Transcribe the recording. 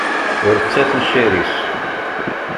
Iretta tuccar-is.